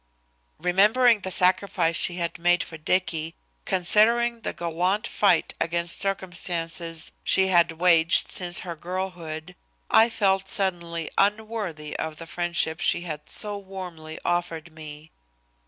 Remembering the sacrifice she had made for Dicky, considering the gallant fight against circumstances she had waged since her girlhood, I felt suddenly unworthy of the friendship she had so warmly offered me.